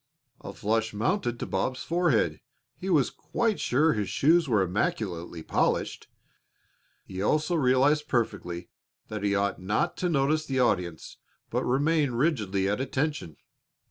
A flush mounted to Bob's forehead. He was quite sure his shoes were immaculately polished. He also realized perfectly that he ought not notice the audience, but remain rigidly at attention.